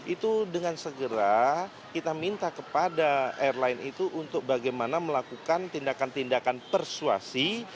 itu dengan segera kita minta kepada airline itu untuk bagaimana melakukan tindakan tindakan persuasi